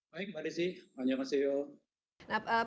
baik badi si banyak kasih ya